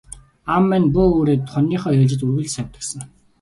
Аав маань буу үүрээд хониныхоо ээлжид үргэлж явдаг сан.